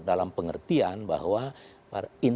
dalam pengertian bahwa inspektor tersebut